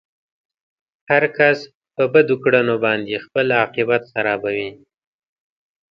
هر کس په بدو کړنو باندې خپل عاقبت خرابوي.